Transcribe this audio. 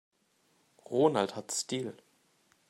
Ronald hat Stil.